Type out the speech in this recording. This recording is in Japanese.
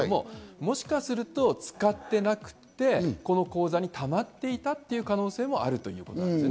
もしかすると使っていなくて、この口座に貯まっていたという可能性もあるということなんです。